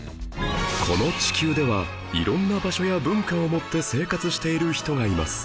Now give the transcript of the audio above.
この地球では色んな場所や文化をもって生活している人がいます